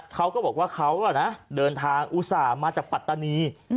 เขาก็บอกว่าเขาเดินทางอุตส่าห์มาจากปัตตานี